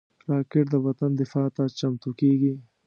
راکټ د وطن دفاع ته چمتو کېږي